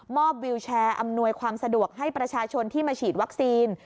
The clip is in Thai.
วิวแชร์อำนวยความสะดวกให้ประชาชนที่มาฉีดวัคซีน